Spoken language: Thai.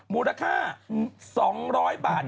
มูลค่า๒๐๐บาท